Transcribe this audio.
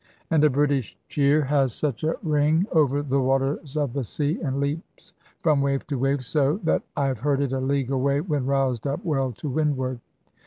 And a British cheer has such a ring over the waters of the sea, and leaps from wave to wave so, that I have heard it a league away when roused up well to windward.